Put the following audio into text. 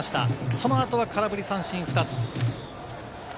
その後は空振り三振２つ。